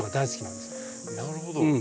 なるほど。